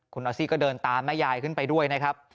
คุณออสซี่ก็เดินตามแม่ยายขึ้นไปด้วยนะครับ